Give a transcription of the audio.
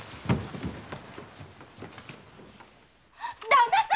旦那様！